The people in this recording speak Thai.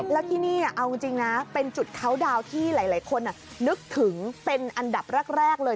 แล้วที่นี่เอาจริงนะเป็นจุดเขาดาวน์ที่หลายคนนึกถึงเป็นอันดับแรกเลย